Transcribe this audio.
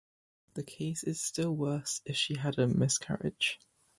The case is still worse if she has had a miscarriage.